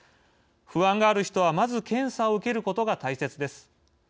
不安がある人はまず検査を受けることが大切です。